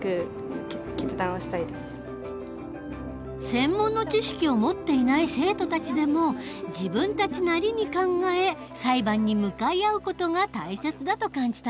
専門の知識を持っていない生徒たちでも自分たちなりに考え裁判に向かい合う事が大切だと感じたようだ。